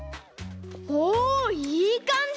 おおいいかんじ！